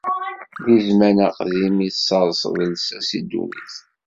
Di zzman aqdim i tserseḍ lsas i ddunit.